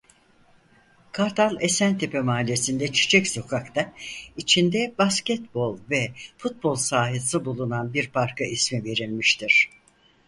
Kartal Esentepe Mahallesi'nde Çiçek Sokak'ta içinde basketbol ve futbol sahası bulunan bir parka ismi verilmiştir.